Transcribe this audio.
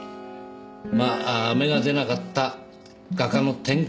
まあ芽が出なかった画家の典型ですね。